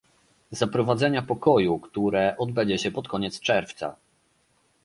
Zaprowadzenia Pokoju, które odbędzie się pod koniec czerwca